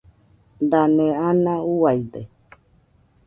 Dane ana uaide